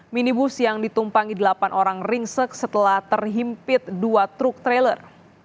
minibus yang ditumpangi delapan orang ringsek setelah terhimpit dua truk trailer